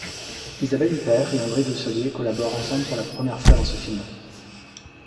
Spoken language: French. Isabelle Huppert et André Dussolier collaborent ensemble pour la première fois dans ce film.